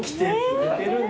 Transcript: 寝てるんだ。